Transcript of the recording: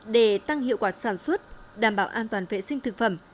để tăng hiệu quả sản xuất đảm bảo an toàn vệ sinh thực phẩm